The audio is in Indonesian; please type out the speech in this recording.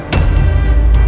yang ada yang bolt